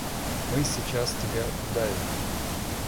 Мы сейчас тебя удавим.